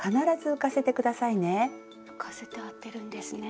浮かせてあてるんですね。